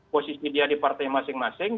posisi dia di partai masing masing